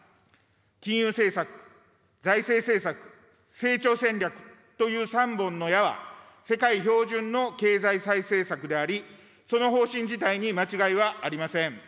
金融政策、財政政策、成長戦略という三本の矢は、世界標準の経済再生策であり、その方針自体に間違いはありません。